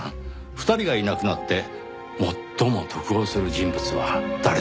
２人がいなくなって最も得をする人物は誰でしょう？